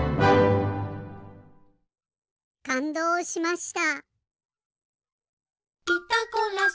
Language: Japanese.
かんどうしました。